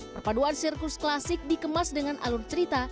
perpaduan sirkus klasik dikemas dengan alur cerita